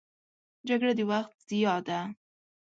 جګړه د وخت ضیاع ده